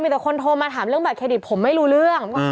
มีแต่คนโทรมาถามเรื่องบัตรเครดิตผมไม่รู้เรื่อง